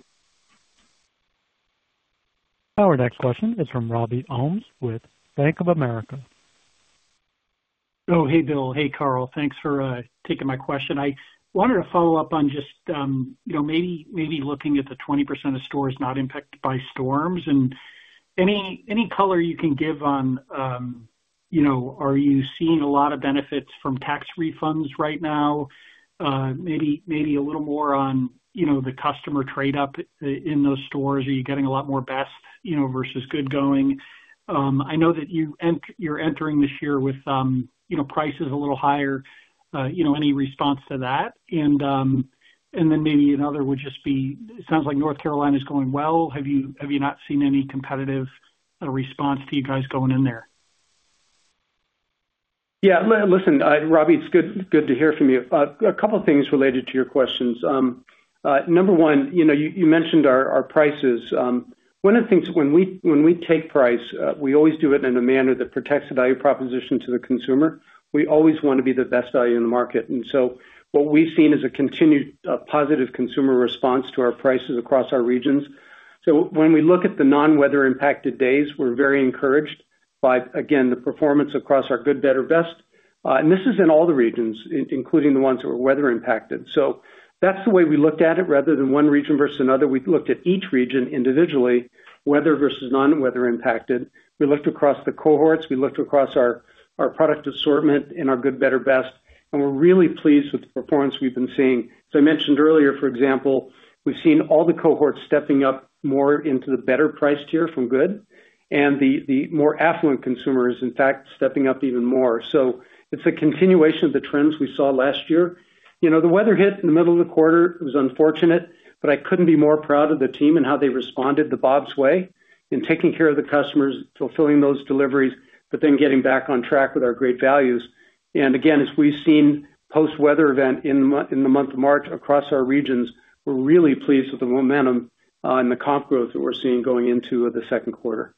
Our next question is from Robby Ohmes with Bank of America. Oh, hey, Bill. Hey, Carl. Thanks for taking my question. I wanted to follow up on just, you know, maybe looking at the 20% of stores not impacted by storms and any color you can give on, you know, are you seeing a lot of benefits from tax refunds right now? Maybe a little more on, you know, the customer trade up in those stores. Are you getting a lot more best, you know, versus good going? I know that you're entering this year with, you know, prices a little higher, you know, any response to that? Maybe another would just be, it sounds like North Carolina is going well. Have you not seen any competitive response to you guys going in there? Yeah. Listen, Robby, it's good to hear from you. A couple things related to your questions. Number one, you know, you mentioned our prices. One of the things when we take price, we always do it in a manner that protects the value proposition to the consumer. We always wanna be the best value in the market. What we've seen is a continued positive consumer response to our prices across our regions. When we look at the non-weather impacted days, we're very encouraged by, again, the performance across our good, better, best. This is in all the regions, including the ones that were weather impacted. That's the way we looked at it rather than one region versus another. We looked at each region individually, weather versus non-weather impacted. We looked across the cohorts, we looked across our product assortment in our good, better, best, and we're really pleased with the performance we've been seeing. As I mentioned earlier, for example, we've seen all the cohorts stepping up more into the better price tier from good and the more affluent consumers, in fact, stepping up even more. It's a continuation of the trends we saw last year. You know, the weather hit in the middle of the quarter. It was unfortunate, but I couldn't be more proud of the team and how they responded the Bob's way in taking care of the customers, fulfilling those deliveries, but then getting back on track with our great values. Again, as we've seen post weather event in the month of March across our regions, we're really pleased with the momentum and the comp growth that we're seeing going into the second quarter.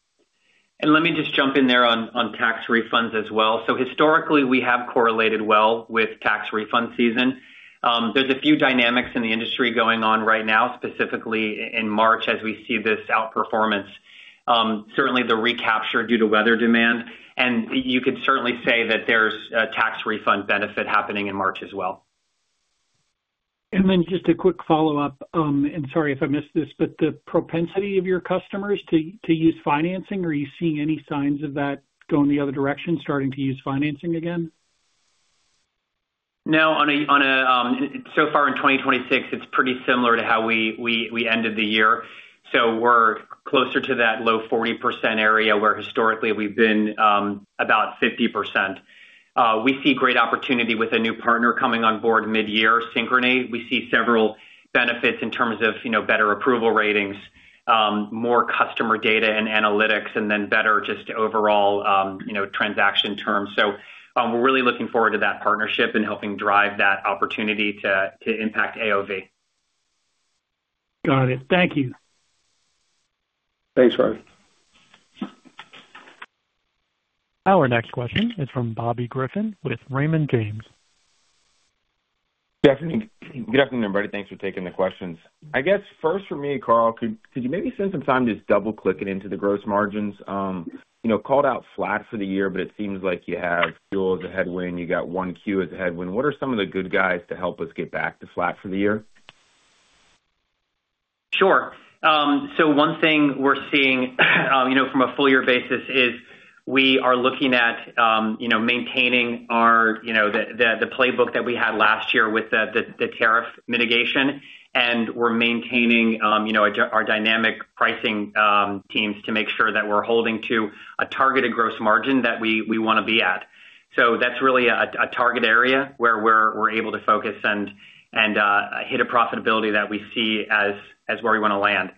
Let me just jump in there on tax refunds as well. Historically, we have correlated well with tax refund season. There's a few dynamics in the industry going on right now, specifically in March as we see this outperformance. Certainly the recapture due to weather demand, and you could certainly say that there's a tax refund benefit happening in March as well. Just a quick follow-up, and sorry if I missed this, but the propensity of your customers to use financing. Are you seeing any signs of that going the other direction, starting to use financing again? No. So far in 2026, it's pretty similar to how we ended the year. We're closer to that low 40% area where historically we've been about 50%. We see great opportunity with a new partner coming on board midyear, Synchrony. We see several benefits in terms of, you know, better approval ratings, more customer data and analytics, and then better just overall, you know, transaction terms. We're really looking forward to that partnership and helping drive that opportunity to impact AOV. Got it. Thank you. Thanks, Robby. Our next question is from Bobby Griffin with Raymond James. Good afternoon. Good afternoon, everybody. Thanks for taking the questions. I guess first for me, Carl, could you maybe spend some time just double-clicking into the gross margins? You know, called out flat for the year, but it seems like you have fuel as a headwind. You got 1Q as a headwind. What are some of the good guys to help us get back to flat for the year? Sure. So one thing we're seeing, you know, from a full-year basis is we are looking at, you know, maintaining our, you know, the playbook that we had last year with the tariff mitigation. We're maintaining, you know, our dynamic pricing teams to make sure that we're holding to a targeted gross margin that we wanna be at. That's really a target area where we're able to focus and hit a profitability that we see as where we wanna land.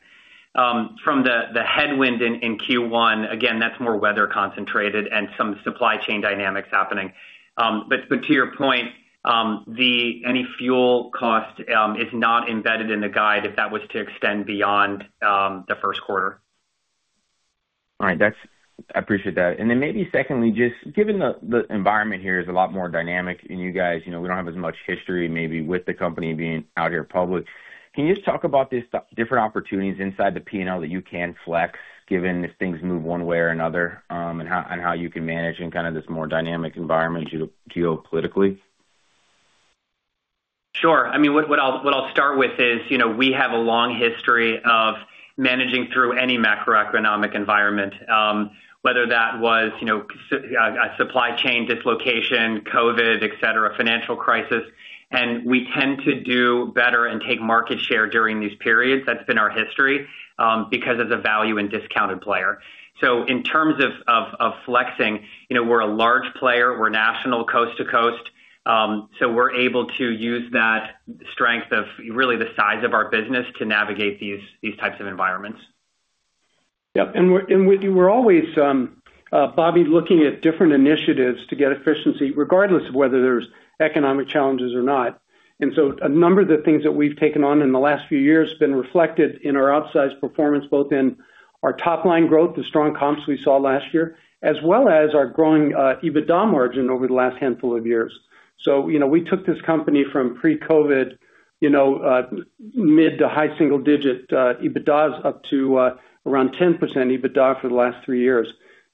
From the headwind in Q1, again, that's more weather concentrated and some supply chain dynamics happening. But to your point, any fuel cost is not embedded in the guide if that was to extend beyond the first quarter. All right. That's. I appreciate that. Then maybe secondly, just given the environment here is a lot more dynamic, and you guys, you know, we don't have as much history maybe with the company being out here public. Can you just talk about the different opportunities inside the P&L that you can flex, given if things move one way or another, and how you can manage in kind of this more dynamic environment geopolitically? Sure. I mean, what I'll start with is, you know, we have a long history of managing through any macroeconomic environment, whether that was, you know, a supply chain dislocation, COVID, et cetera, financial crisis, and we tend to do better and take market share during these periods. That's been our history, because of the value and discount player. In terms of flexing, you know, we're a large player. We're national coast to coast. We're able to use that strength of really the size of our business to navigate these types of environments. Yep. We're always, Bobby, looking at different initiatives to get efficiency regardless of whether there's economic challenges or not. A number of the things that we've taken on in the last few years has been reflected in our outsized performance, both in our top-line growth, the strong comps we saw last year, as well as our growing EBITDA margin over the last handful of years. You know, we took this company from pre-COVID, you know, mid to high-single-digit EBITDAs up to around 10% EBITDA for the last three years.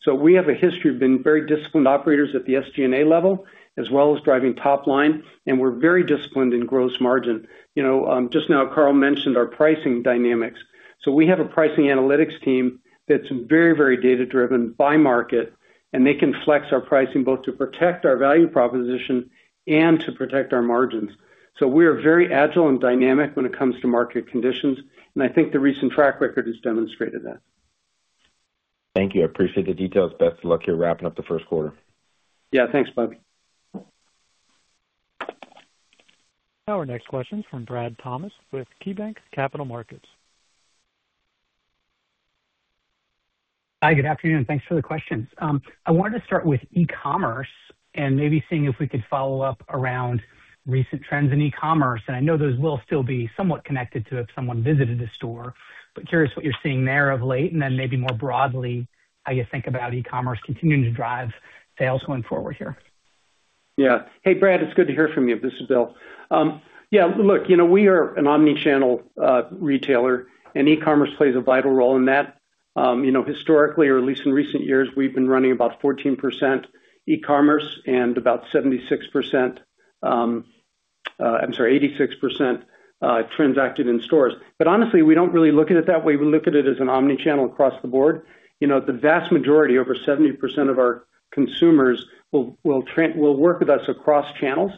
We have a history of being very disciplined operators at the SG&A level, as well as driving top-line, and we're very disciplined in gross margin. You know, just now Carl mentioned our pricing dynamics. We have a pricing analytics team that's very, very data-driven by market, and they can flex our pricing both to protect our value proposition and to protect our margins. We are very agile and dynamic when it comes to market conditions, and I think the recent track record has demonstrated that. Thank you. I appreciate the details. Best of luck. You're wrapping up the first quarter. Yeah. Thanks, Bobby. Our next question from Brad Thomas with KeyBanc Capital Markets. Hi, good afternoon, and thanks for the questions. I wanted to start with e-commerce and maybe seeing if we could follow up around recent trends in e-commerce. I know those will still be somewhat connected to if someone visited a store. Curious what you're seeing there of late, and then maybe more broadly, how you think about e-commerce continuing to drive sales going forward here. Yeah. Hey, Brad, it's good to hear from you. This is Bill. Yeah, look, you know, we are an omnichannel retailer, and e-commerce plays a vital role in that. You know, historically, or at least in recent years, we've been running about 14% e-commerce and about 76%, I'm sorry, 86%, transacted in stores. But honestly, we don't really look at it that way. We look at it as an omnichannel across the board. You know, the vast majority, over 70% of our consumers will work with us across channels,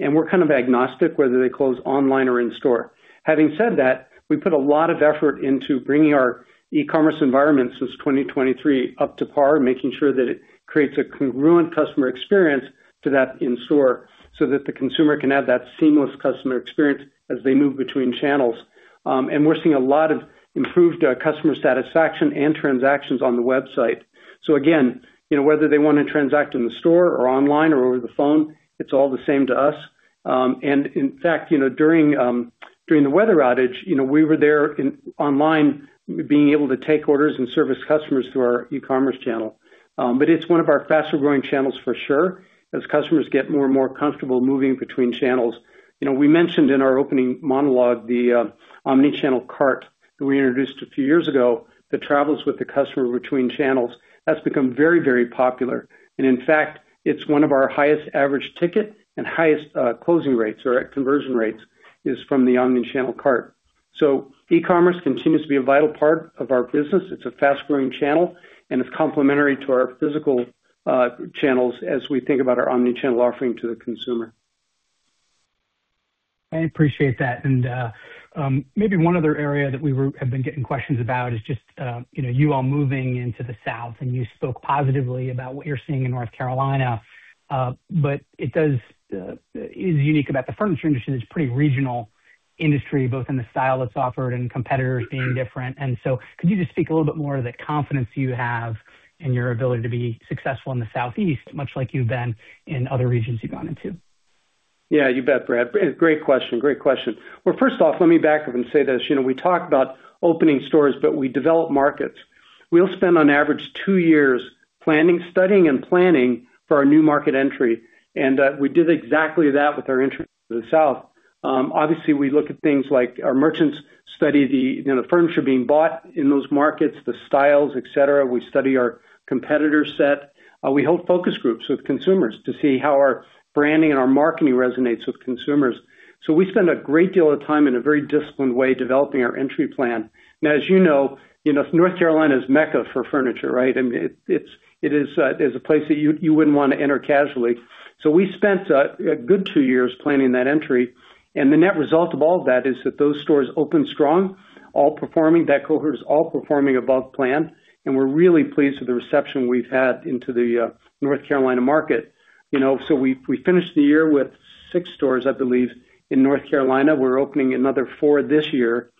and we're kind of agnostic whether they close online or in store. Having said that, we put a lot of effort into bringing our e-commerce environment since 2023 up to par, making sure that it creates a congruent customer experience to that in-store so that the consumer can have that seamless customer experience as they move between channels. We're seeing a lot of improved customer satisfaction and transactions on the website. Again, you know, whether they wanna transact in the store or online or over the phone, it's all the same to us. In fact, you know, during the weather outage, you know, we were there online being able to take orders and service customers through our e-commerce channel. It's one of our faster-growing channels for sure, as customers get more and more comfortable moving between channels. You know, we mentioned in our opening monologue the Omni Cart that we introduced a few years ago that travels with the customer between channels. That's become very, very popular. In fact, it's one of our highest average ticket and highest closing rates or conversion rates is from the Omni Cart. E-commerce continues to be a vital part of our business. It's a fast-growing channel, and it's complementary to our physical channels as we think about our omnichannel offering to the consumer. I appreciate that. Maybe one other area that we have been getting questions about is just, you know, you all moving into the South, and you spoke positively about what you're seeing in North Carolina. It is unique about the furniture industry, and it's a pretty regional industry, both in the style that's offered and competitors being different. Could you just speak a little bit more to the confidence you have in your ability to be successful in the Southeast, much like you've been in other regions you've gone into? Yeah, you bet, Brad. Great question. Well, first off, let me back up and say this. You know, we talk about opening stores, but we develop markets. We'll spend on average two years planning, studying and planning for our new market entry, and we did exactly that with our entry to the South. Obviously, we look at things like our merchants study the, you know, the furniture being bought in those markets, the styles, et cetera. We study our competitor set. We hold focus groups with consumers to see how our branding and our marketing resonates with consumers. We spend a great deal of time in a very disciplined way developing our entry plan. Now, as you know, North Carolina is mecca for furniture, right? I mean, it's a place that you wouldn't wanna enter casually. We spent a good two years planning that entry, and the net result of all that is that those stores opened strong, all performing. That cohort is all performing above plan, and we're really pleased with the reception we've had into the North Carolina market. You know, we finished the year with six stores, I believe, in North Carolina. We're opening another four this year.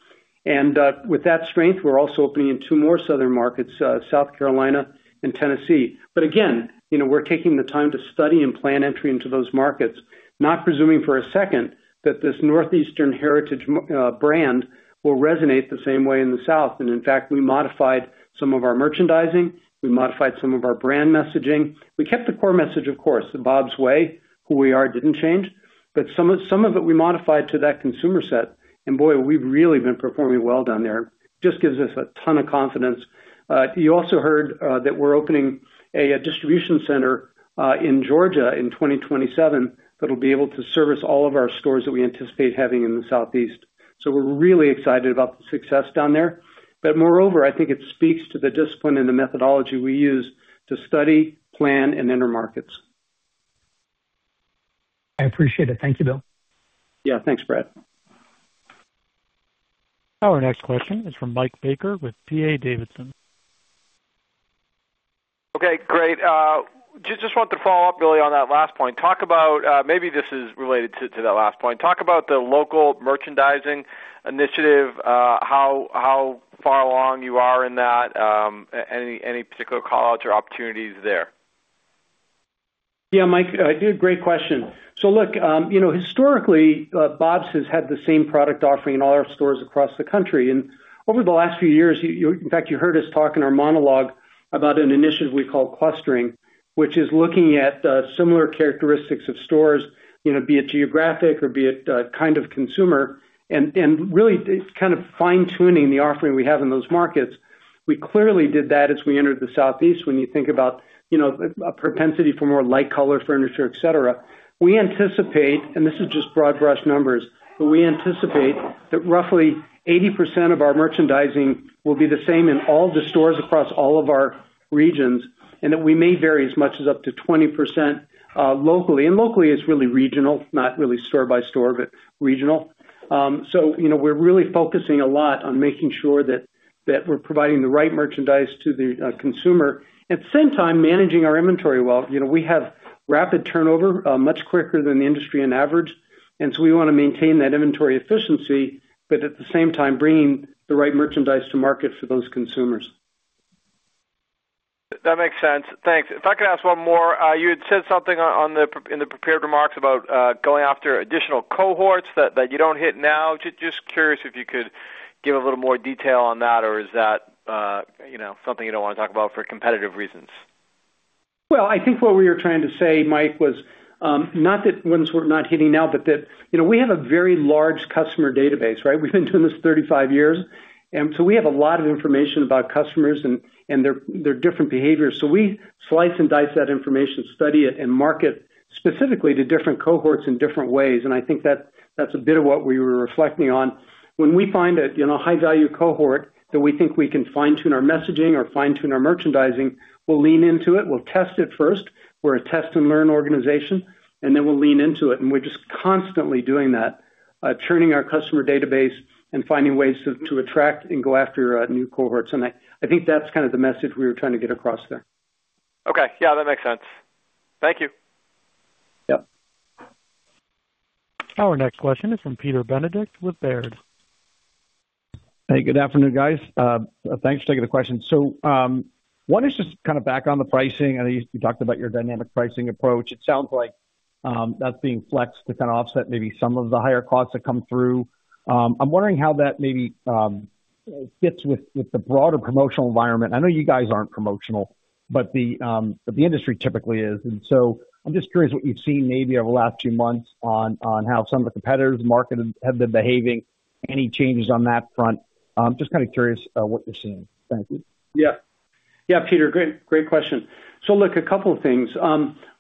With that strength, we're also opening in two more southern markets, South Carolina and Tennessee. Again, you know, we're taking the time to study and plan entry into those markets, not presuming for a second that this northeastern heritage brand will resonate the same way in the South. In fact, we modified some of our merchandising. We modified some of our brand messaging. We kept the core message, of course, the Bob's way, who we are didn't change, but some of it we modified to that consumer set, and boy, we've really been performing well down there. Just gives us a ton of confidence. You also heard that we're opening a distribution center in Georgia in 2027 that'll be able to service all of our stores that we anticipate having in the Southeast. We're really excited about the success down there. Moreover, I think it speaks to the discipline and the methodology we use to study, plan, and enter markets. I appreciate it. Thank you, Bill. Yeah. Thanks, Brad. Our next question is from Mike Baker with D.A. Davidson. Okay, great. Just want to follow up really on that last point. Talk about the local merchandising initiative, how far along you are in that, any particular call-outs or opportunities there? Yeah, Mike, good, great question. Look, you know, historically, Bob's has had the same product offering in all our stores across the country. Over the last few years, in fact, you heard us talk in our monologue about an initiative we call clustering, which is looking at similar characteristics of stores, you know, be it geographic or be it kind of consumer, and really kind of fine-tuning the offering we have in those markets. We clearly did that as we entered the Southeast when you think about, you know, a propensity for more light color furniture, et cetera. We anticipate, and this is just broad brush numbers, but we anticipate that roughly 80% of our merchandising will be the same in all the stores across all of our regions, and that we may vary as much as up to 20%, locally. Locally, it's really regional, not really store by store, but regional. You know, we're really focusing a lot on making sure that we're providing the right merchandise to the consumer, at the same time, managing our inventory well. You know, we have rapid turnover, much quicker than the industry on average, and so we wanna maintain that inventory efficiency, but at the same time bringing the right merchandise to market for those consumers. That makes sense. Thanks. If I could ask one more. You had said something in the prepared remarks about going after additional cohorts that you don't hit now. Just curious if you could give a little more detail on that, or is that you know, something you don't wanna talk about for competitive reasons? Well, I think what we were trying to say, Mike, was not that ones we're not hitting now, but that, you know, we have a very large customer database, right? We've been doing this 35 years, and so we have a lot of information about customers and their different behaviors. So we slice and dice that information, study it, and market specifically to different cohorts in different ways. I think that's a bit of what we were reflecting on. When we find a, you know, high value cohort that we think we can fine-tune our messaging or fine-tune our merchandising, we'll lean into it. We'll test it first. We're a test and learn organization, and then we'll lean into it. We're just constantly doing that, churning our customer database and finding ways to attract and go after new cohorts. I think that's kind of the message we were trying to get across there. Okay. Yeah, that makes sense. Thank you. Yep. Our next question is from Peter Benedict with Baird. Hey, good afternoon, guys. Thanks for taking the question. So, one is just kind of back on the pricing. I know you talked about your dynamic pricing approach. It sounds like that's being flexed to kind of offset maybe some of the higher costs that come through. I'm wondering how that maybe fits with the broader promotional environment. I know you guys aren't promotional, but the industry typically is. I'm just curious what you've seen maybe over the last few months on how some of the competitors in the market have been behaving. Any changes on that front? Just kind of curious what you're seeing. Thanks. Yeah. Peter, great question. Look, a couple of things.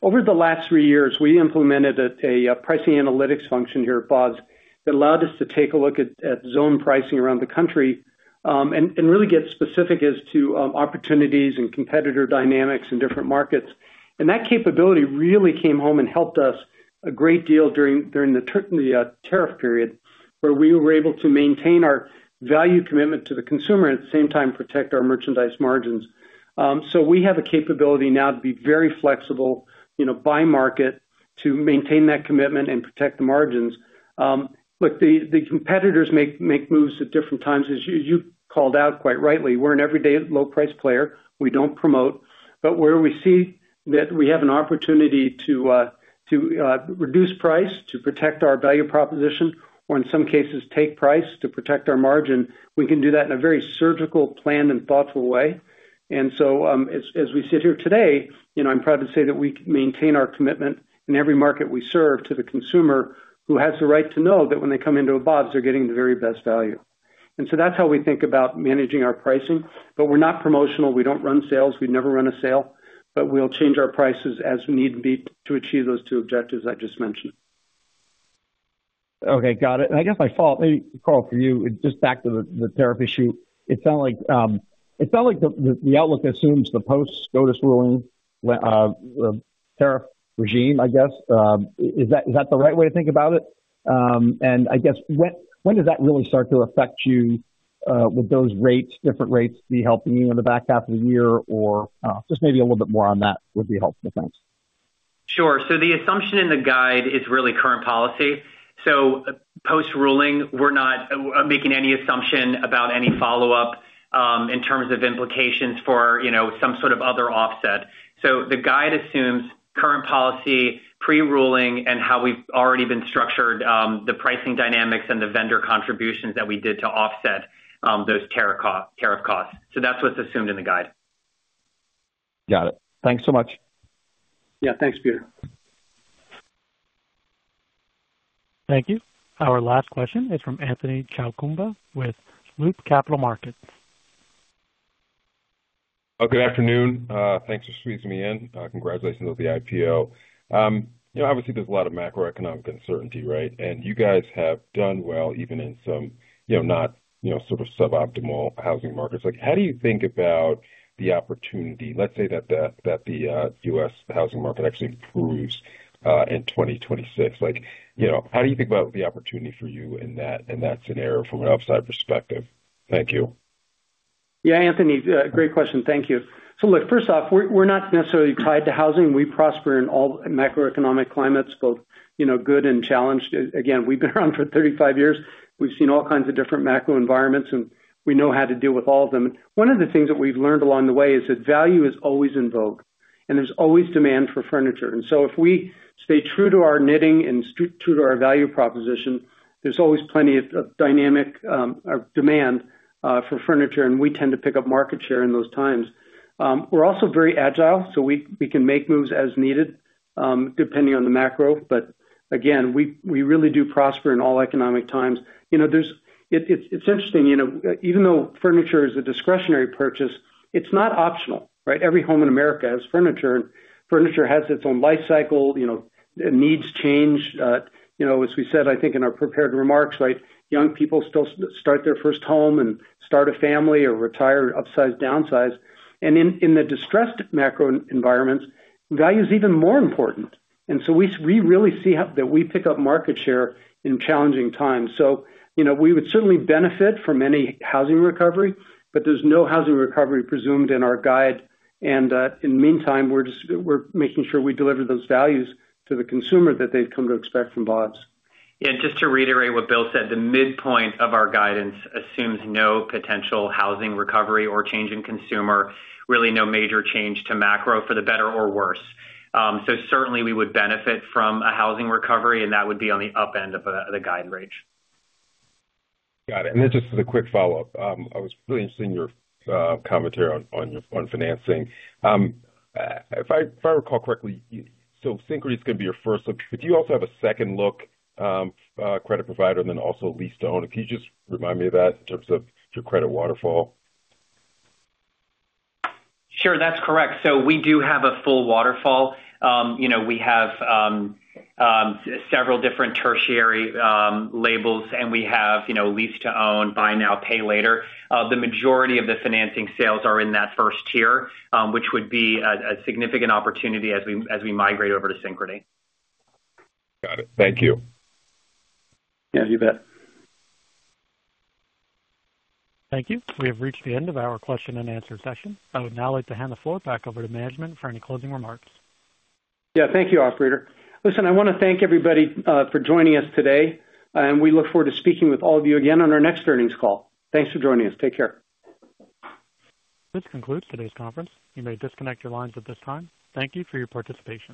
Over the last three years, we implemented a pricing analytics function here at Bob's that allowed us to take a look at zone pricing around the country, and really get specific as to opportunities and competitor dynamics in different markets. That capability really came home and helped us a great deal during the tariff period, where we were able to maintain our value commitment to the consumer and at the same time protect our merchandise margins. We have a capability now to be very flexible, you know, by market to maintain that commitment and protect the margins. The competitors make moves at different times. As you called out quite rightly, we're an everyday low price player. We don't promote. Where we see that we have an opportunity to reduce price to protect our value proposition or in some cases take price to protect our margin, we can do that in a very surgical plan and thoughtful way. As we sit here today, you know, I'm proud to say that we can maintain our commitment in every market we serve to the consumer, who has the right to know that when they come into a Bob's, they're getting the very best value. That's how we think about managing our pricing. We're not promotional. We don't run sales. We never run a sale, but we'll change our prices as we need be to achieve those two objectives I just mentioned. Okay, got it. I guess my follow-up, maybe, Carl, to you, just back to the tariff issue. It sounds like the outlook assumes the post-SCOTUS ruling tariff regime, I guess. Is that the right way to think about it? I guess when does that really start to affect you? Would those rates, different rates be helping you in the back half of the year or just maybe a little bit more on that would be helpful. Thanks. Sure. The assumption in the guide is really current policy. Post-ruling, we're not making any assumption about any follow-up, in terms of implications for, you know, some sort of other offset. The guide assumes current policy pre-ruling and how we've already been structured, the pricing dynamics and the vendor contributions that we did to offset, those tariff co-tariff costs. That's what's assumed in the guide. Got it. Thanks so much. Yeah. Thanks, Peter. Thank you. Our last question is from Anthony Chukumba with Loop Capital Markets. Good afternoon. Thanks for squeezing me in. Congratulations on the IPO. You know, obviously there's a lot of macroeconomic uncertainty, right? You guys have done well, even in some, you know, not, you know, sort of suboptimal housing markets. Like, how do you think about the opportunity? Let's say that the U.S. housing market actually improves in 2026. Like, you know, how do you think about the opportunity for you in that scenario from an outside perspective? Thank you. Yeah, Anthony, great question. Thank you. Look, first off, we're not necessarily tied to housing. We prosper in all macroeconomic climates, both you know good and challenged. Again, we've been around for 35 years. We've seen all kinds of different macro environments, and we know how to deal with all of them. One of the things that we've learned along the way is that value is always in vogue and there's always demand for furniture. If we stay true to our knitting and true to our value proposition, there's always plenty of demand for furniture, and we tend to pick up market share in those times. We're also very agile, so we can make moves as needed, depending on the macro. But again, we really do prosper in all economic times. You know, there's. It's interesting, you know, even though furniture is a discretionary purchase, it's not optional, right? Every home in America has furniture. Furniture has its own life cycle. You know, needs change. You know, as we said, I think in our prepared remarks, right, young people still start their first home and start a family or retire, upsize, downsize. In the distressed macro environments, value is even more important. We really see how we pick up market share in challenging times. You know, we would certainly benefit from any housing recovery, but there's no housing recovery presumed in our guide. In the meantime, we're just making sure we deliver those values to the consumer that they've come to expect from Bob's. Yeah, just to reiterate what Bill said, the midpoint of our guidance assumes no potential housing recovery or change in consumer, really no major change to macro for the better or worse. Certainly we would benefit from a housing recovery, and that would be on the up end of the guide range. Got it. Just as a quick follow-up. I was really interested in your commentary on your financing. If I recall correctly, so Synchrony is gonna be your first look. Do you also have a second look credit provider and then also lease to own? Can you just remind me of that in terms of your credit waterfall? Sure, that's correct. We do have a full waterfall. You know, we have several different tertiary labels, and we have, you know, lease to own, buy now, pay later. The majority of the financing sales are in that first tier, which would be a significant opportunity as we migrate over to Synchrony. Got it. Thank you. Yeah, you bet. Thank you. We have reached the end of our question and answer session. I would now like to hand the floor back over to management for any closing remarks. Yeah. Thank you, operator. Listen, I wanna thank everybody for joining us today, and we look forward to speaking with all of you again on our next earnings call. Thanks for joining us. Take care. This concludes today's conference. You may disconnect your lines at this time. Thank you for your participation.